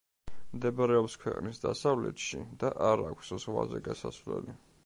მდებარეობს ქვეყნის დასავლეთში და არ აქვს ზღვაზე გასასვლელი.